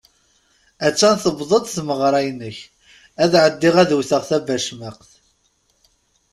Att-an tewweḍ-d tmeɣṛa-inek ad ɛeddiɣ ad wwteɣ tabacmaqt.